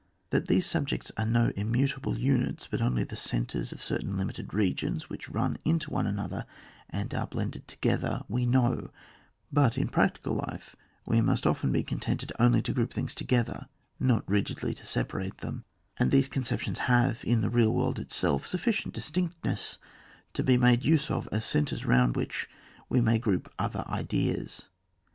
That these subjects are no immutable imits, but only the centres of certain limited regions, which run into one another and are blended together, we know ; but in practical life we must often be contented only to group things together, not rigidly to separate them ; and these conceptions have, in the real world itself, sufficient distinctness to be made use of as centres round which we may group other ideas.